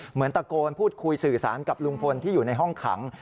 เหมือนตะโกนพูดคุยสื่อสารกับลุงพลที่อยู่ในห้องขัง